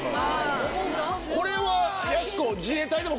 これはやす子。